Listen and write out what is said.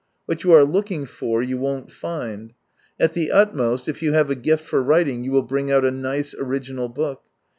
What you are looking for, you won't find. At the utmost, if you have a gift for writing you will bring out a nice original book.